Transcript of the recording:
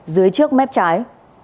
dưới trước mép trái